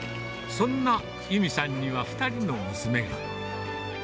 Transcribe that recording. そんな裕美さんには２人の娘が。